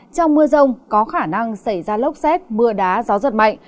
trong mưa rông có khả năng xảy ra lốc xét mưa đá gió giật mạnh